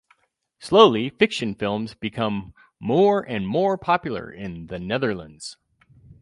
Slowly, fiction films become more and more popular in The Netherlands.